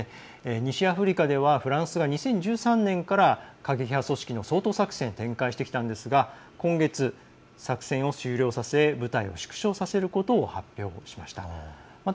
西アフリカではフランスが２０１３年から過激派組織の掃討作戦を展開してきたんですが今月、作戦を終了させ部隊を縮小させることを発表しました。